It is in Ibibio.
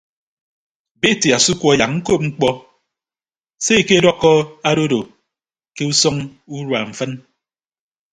Beti asukuọ yak ñkop mkpọ se ekedọkkọ adodo ke usʌñ urua mfịn.